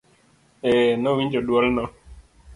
eeee, Nowinjo duol no.